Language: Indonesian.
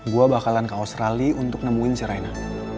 gue bakalan ke australia untuk nemuin si raina